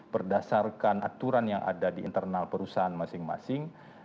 berdasarkan aturan yang ada di internal perusahaan masing masing